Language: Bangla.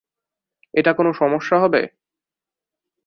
এটা কোনো সমস্যা হবে?